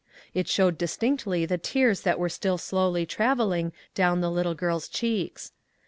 It showed distinctly the tears that were still slowly traveling down the little girl's cheeks.